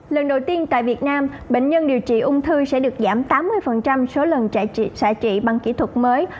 lần đầu tiên tại việt nam bệnh nhân điều trị ung thư sẽ được giảm tám mươi số lần chạy xạ trị bằng kỹ thuật mới